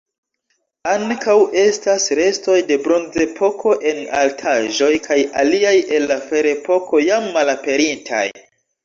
Ankaŭ estas restoj de Bronzepoko en altaĵoj kaj aliaj el la Ferepoko jam malaperintaj.